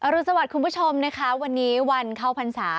อรุณสวัสดีคุณผู้ชมวันนี้วันเข้าพรรษา